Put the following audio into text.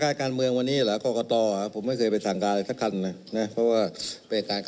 อ๋อมีกระแสในโซเชียลค่ะวิจารณ์ว่ารัฐมณ์เป็นคน